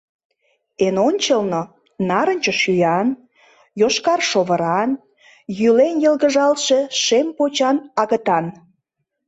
Эн ончылно — нарынче шӱян, йошкар шовыран, йӱлен йылгыжалтше шем почан агытан.